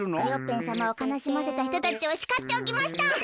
クヨッペンさまをかなしませたひとたちをしかっておきました。